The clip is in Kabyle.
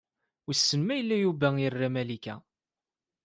Wissen ma yella Yuba ira Malika.